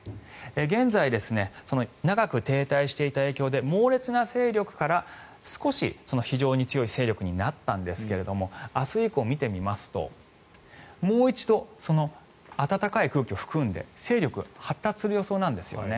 現在、長く停滞していた影響で猛烈な勢力から、少し非常に強い勢力になったんですが明日以降を見てみますともう一度、暖かい空気を含んで勢力発達する予想なんですよね。